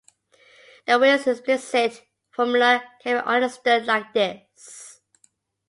The Weil's explicit formula can be understood like this.